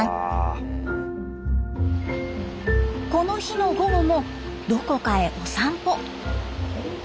この日の午後もどこかへお散歩。